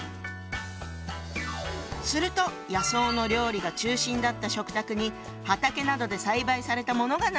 すると野草の料理が中心だった食卓に畑などで栽培されたものが並ぶように。